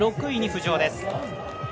６位に浮上です。